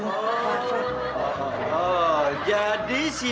oh jadi sih